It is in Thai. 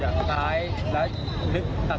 สะใจกลับรถกระทัน